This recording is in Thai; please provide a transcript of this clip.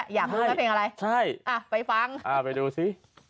อยากฟังกับเพลงอะไรไปฟังไปดูสิ